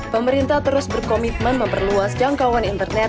pemerintah terus berkomitmen memperluas jangkauan internet